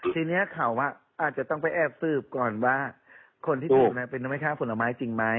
ทีนี้เขาอาจจะต้องไปแอบสืบก่อนว่าคนที่ถูกเป็นแม่ค้าผลไม้จริงไหม